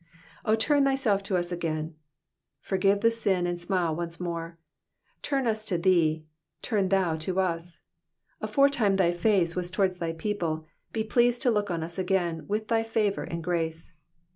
0 turn thyself to us again.^'' Forgive the sin and smile once more. Turn us to thee, turn thou to 128. Aforetime thy face was towards thy people, be pleased to look on us again with thy favour and grace.